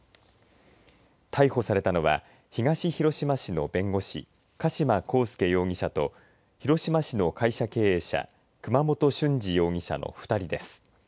逮捕されたのは東広島市の弁護士加島康介容疑者と広島市の会社経営者熊本俊二容疑者の２人です。